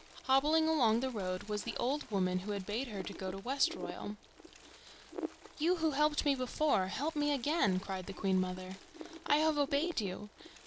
Hobbling along the road was the old woman who had bade her go to Westroyal. "You who helped me before, help me again!" cried the Queen mother. "I have obeyed you.